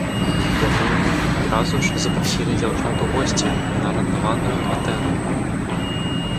Яны адразу ж запрасілі дзяўчат у госці на арандаваную кватэру.